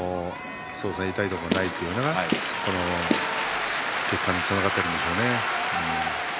痛いところがないということそれが結果につながっているんでしょうね。